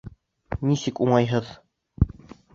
Нисек уңайһыҙ?